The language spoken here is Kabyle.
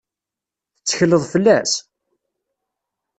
Tettekleḍ fell-as?